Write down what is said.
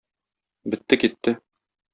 Бетте-китте.